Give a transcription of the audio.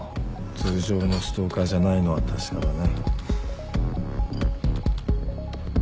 通常のストーカーじゃないのは確かだね。